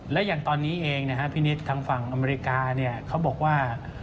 และอย่างตอนนี้เองนะฮะพี่นิดทางฝั่งอเมริกาเขาบอกว่า